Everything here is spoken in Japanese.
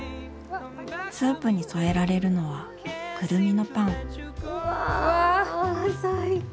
スープに添えられるのはくるみのパンうわあ最高。